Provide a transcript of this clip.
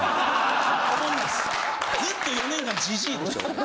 ずっと４年間「じじぃ」でした俺。